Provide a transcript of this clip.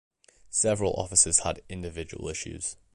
Several offices had individual issues.